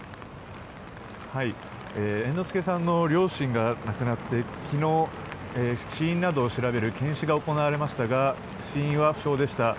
猿之助さんの両親が亡くなって昨日、死因などを調べる検視が行われましたが死因は不詳でした。